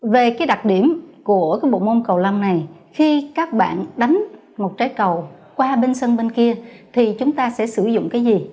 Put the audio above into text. về đặc điểm của bộ môn cầu lông này khi các bạn đánh một trái cầu qua bên sân bên kia thì chúng ta sẽ sử dụng cái gì